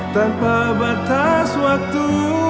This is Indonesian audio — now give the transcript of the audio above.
tanpa batas waktu